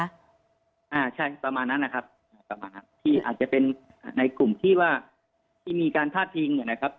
อ่าใช่ประมาณนั้นนะครับอ่าประมาณนั้นที่อาจจะเป็นในกลุ่มที่ว่าที่มีการพาดพิงอ่ะนะครับ